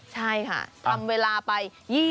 ใช่ค่ะทำเวลาไป